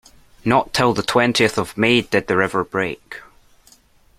Not till the twentieth of May did the river break.